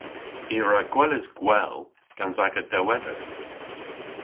I a wra gweles gwell gans aga dewweder.